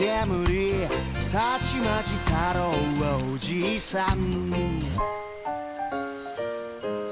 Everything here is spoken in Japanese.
「たちまち太郎はおじいさん」